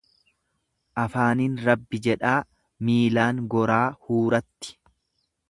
Afaaniin Rabbi jedhaa miilaan goraa huuratti.